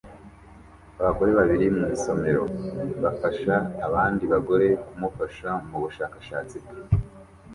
Abagore babiri mu isomero bafasha abandi bagore kumufasha mubushakashatsi bwe